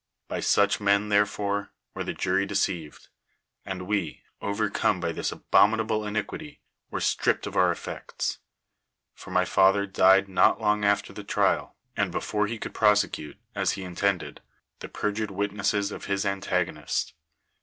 By such men, therefore, Avere the jury deceived; and we, overcome by this abominable inicpiity, were stripped of our etfects; for my father died not long after the trial and before lie could prosecute, as he intendc^d, the perjured witnesses of his antagonist.